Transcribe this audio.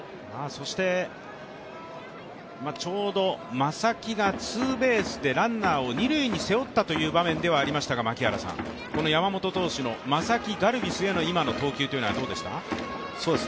ちょうど正木がツーベースでランナーを二塁に背負ったという場面ではありましたが、この山本投手の正木、ガルビスへの今の投球はどうでしたか？